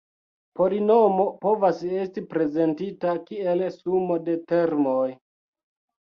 Polinomo povas esti prezentita kiel sumo de termoj.